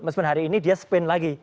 meskipun hari ini dia spin lagi